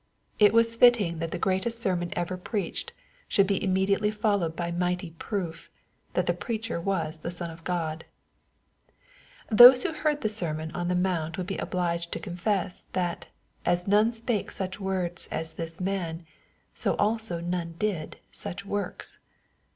It was fitting that the greatest sermon ever preached should be immediately followed by mighty proof, that the preacher was the Son of Grod. Those who heard the sermon on the mount would be obliged to confess, that, as '^ none spake such words as this man/' so also none did such works.